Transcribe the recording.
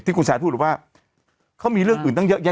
คุณแซนพูดว่าเขามีเรื่องอื่นตั้งเยอะแยะ